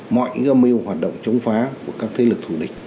mọi gâm mưu hoạt động chống phá của các thế lực thủ địch